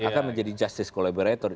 akan menjadi justice collaborator